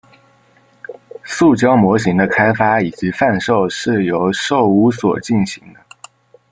塑胶模型的开发以及贩售是由寿屋所进行的。